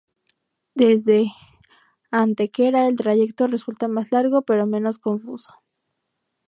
Desde Antequera el trayecto resulta más largo, pero menos confuso.